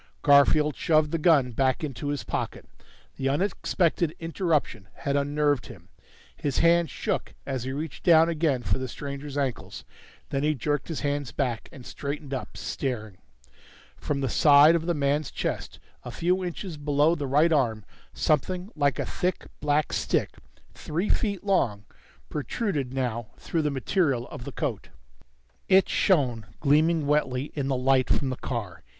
Garfield shoved the gun back into his pocket. The unexpected interruption had unnerved him; his hands shook as he reached down again for the stranger's ankles. Then he jerked his hands back, and straightened up, staring. From the side of the man's chest, a few inches below the right arm, something like a thick black stick, three feet long, protruded now through the material of the coat. It shone, gleaming wetly, in the light from the car.